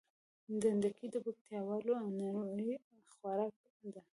ډنډکی د پکتياوالو عنعنوي خوارک ده